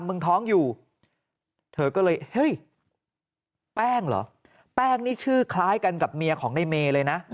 มึงท้องอยู่เธอก็เลยเฮ้ยแป้งเหรอแป้งนี่ชื่อคล้ายกันกับเมียของในเมย์เลยนะ